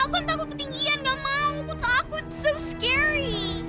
aku kan takut ketinggian gak mau aku takut so scary